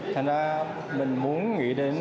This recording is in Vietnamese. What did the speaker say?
thành ra mình muốn nghĩ đến